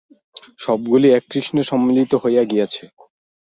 সবগুলি এক কৃষ্ণে সম্মিলিত হইয়া গিয়াছে।